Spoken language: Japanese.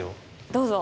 どうぞ。